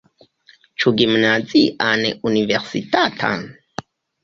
Ĉu gimnazian, universitatan?